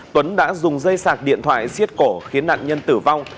tuấn đã dùng dây sạc điện thoại xiết cổ khiến nạn nhân tử vong